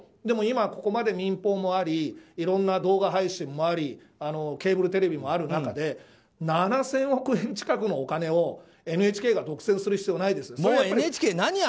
でも今ここまで民放もありいろんな動画配信もありケーブルテレビもある中で７０００億円近くのお金をＮＨＫが独占する必要ないです。